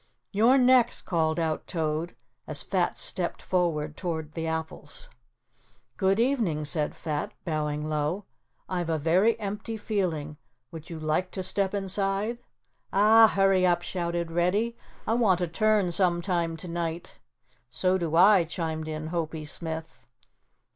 "You're next," called out Toad, as Fat stepped forward toward the apples. "Good evening," said Fat, bowing low, "I've a very empty feeling, would you like to step inside?" "Ah, hurry up," shouted Reddy, "I want a turn some time tonight." "So do I," chimed in Hopie Smith.